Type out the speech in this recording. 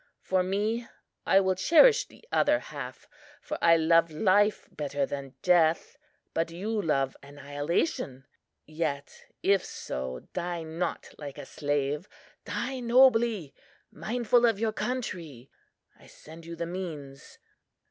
For me, I will cherish the other half, for I love life better than death. But you love annihilation; yet, if so, die not like a slave. Die nobly, mindful of your country; I send you the means."